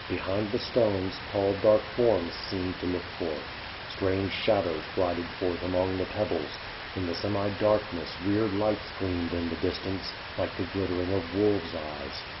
Behind the stones, tall dark forms seemed to look forth; strange shadows glided forth among the pebbles; in the semi darkness weird lights gleamed in the distance, like the glittering of wolves eyes.